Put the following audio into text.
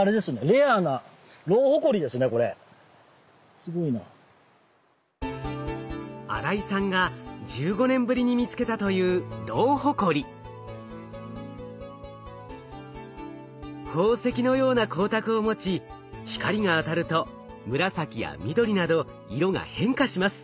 レアな新井さんが１５年ぶりに見つけたという宝石のような光沢を持ち光が当たると紫や緑など色が変化します。